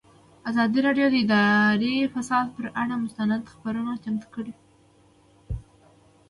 ازادي راډیو د اداري فساد پر اړه مستند خپرونه چمتو کړې.